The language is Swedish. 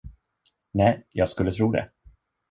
Nej, jag skulle tro det!